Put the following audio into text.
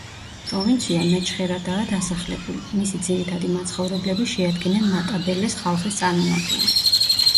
პროვინცია მეჩხერადაა დასახლებული, მისი ძირითადი მაცხოვრებლები შეადგენენ მატაბელეს ხალხის წარმომადგენლებს.